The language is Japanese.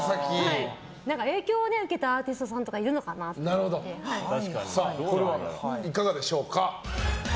影響を受けたアーティストさんとかこれはいかがでしょうか？